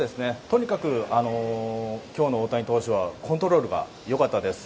とにかく今日の大谷投手はコントロールが良かったです。